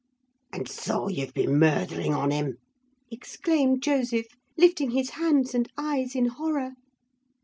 "'And so ye've been murthering on him?' exclaimed Joseph, lifting his hands and eyes in horror.